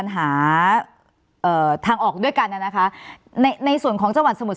หาทางออกด้วยกันน่ะนะคะในในส่วนของจังหวัดสมุทร